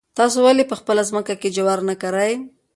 تاسو ولې په خپله ځمکه کې جوار نه کرئ؟